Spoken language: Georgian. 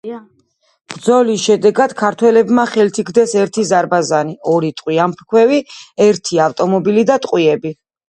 ბრძოლის შედეგად ქართველებმა ხელთ იგდეს ერთი ზარბაზანი, ორი ტყვიამფრქვევი, ერთი ავტომობილი და ტყვიები.